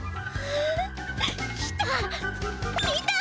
来た！